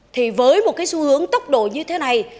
thì với một cái xu hướng tốc độ như thế này